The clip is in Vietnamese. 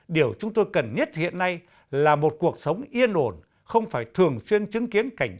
điều chúng tôi cần nhất hiện nay là một cuộc sống yên ổn không phải thường xuyên chứng kiến cảnh báo